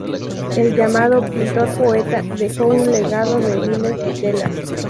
El llamado ""pintor-poeta"" dejó un legado de miles de telas.